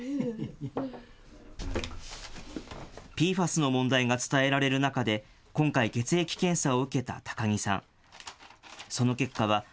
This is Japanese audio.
ＰＦＡＳの問題が伝えられる中で、今回、血液検査を受けた高木さん。